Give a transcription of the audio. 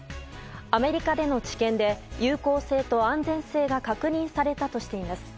アメリカでの治験で有効性と安全性が確認されたとしています。